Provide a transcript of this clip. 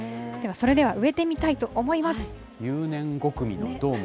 それでは植えてみたいと思います。